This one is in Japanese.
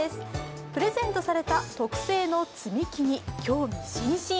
プレゼントされた特製の積み木に興味津々。